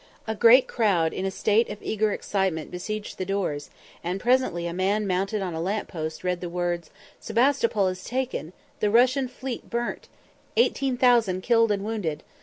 A great crowd in a state of eager excitement besieged the doors, and presently a man mounted on a lamp post read the words, "_Sebastopol is taken! The Russian fleet burnt! Eighteen thousand killed and wounded.